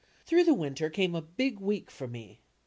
Through the winter came a "Big Week" for me.